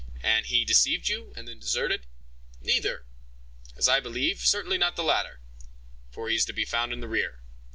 "And he deceived you, and then deserted?" "Neither, as I believe; certainly not the latter, for he is to be found in the rear."